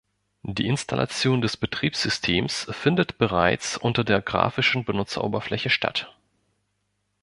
Die Installation des Betriebssystems findet bereits unter der grafischen Benutzeroberfläche statt.